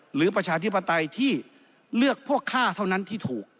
ประชาธิปไตยที่เลือกพวกข้าเท่านั้นที่ถูก